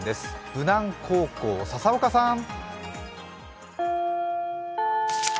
武南高校・佐々岡さん！